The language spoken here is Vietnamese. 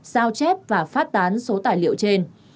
sao chép và phát tán số tài liệu trên